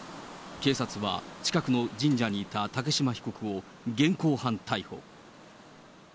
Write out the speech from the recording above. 警察は近くの神社にいた竹島被告を現行犯逮捕。